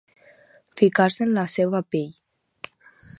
Ficar-se en la seva pell.